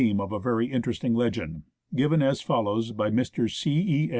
ELIAS of a very interesting legend, given as follows by Mr. C. E.